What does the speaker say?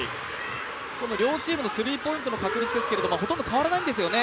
両チームのスリーポイントの確率ですけれども、ほとんど変わらないんですよね